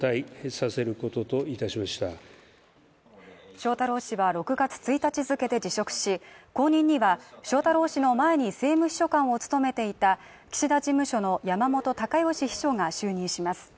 翔太郎氏は６月１日付で辞職し、後任には翔太郎氏の前に政務秘書官を務めていた岸田事務所の山本貴義秘書が就任します。